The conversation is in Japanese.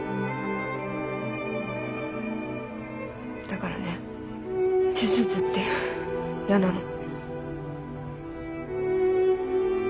だからね手術って嫌なの。